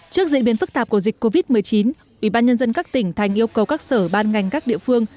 trước dị biến phức tạp của dịch covid một mươi chín ủy ban nhân dân các tỉnh thành yêu cầu các sở ban ngành các địa phương